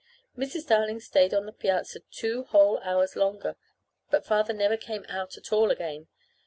Mrs. Darling stayed on the piazza two whole hours longer, but Father never came out at all again.